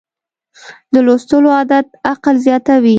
د لوستلو عادت عقل زیاتوي.